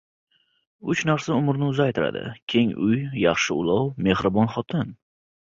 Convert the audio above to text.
• Uch narsa umrni uzaytiradi: keng uy, yaxshi ulov, mehribon xotin.